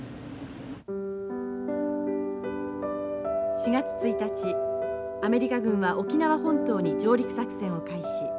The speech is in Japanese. ４月１日アメリカ軍は沖縄本島に上陸作戦を開始。